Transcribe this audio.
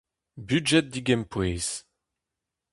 Budjed digempouez.